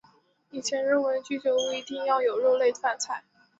以前认为居酒屋一定要有肉类饭菜。